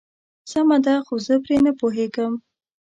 سمه ده خو زه پرې نه پوهيږم.